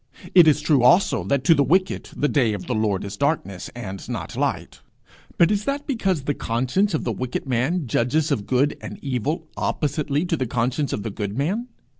It is true also that to the wicked 'the day of the Lord is darkness, and not light;' but is that because the conscience of the wicked man judges of good and evil oppositely to the conscience of the good man?